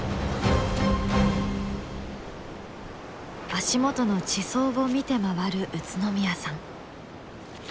足元の地層を見て回る宇都宮さん。